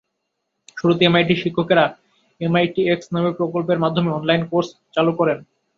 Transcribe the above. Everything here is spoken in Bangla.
শুরুতে এমআইটির শিক্ষকেরা এমআইটিএক্স নামের প্রকল্পের মাধ্যমে অনলাইন কোর্স চালু করেন।